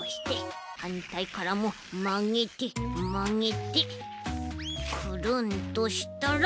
はんたいからもまげてまげてクルンとしたら。